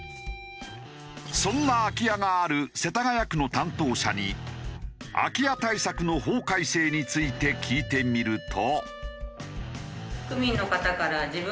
そんな空き家がある世田谷区の担当者に空き家対策の法改正について聞いてみると。